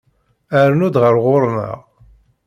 Rnu-d ɣer ɣur-neɣ!